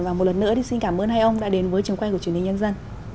và một lần nữa thì xin cảm ơn hai ông đã đến với trường quay của truyền hình nhân dân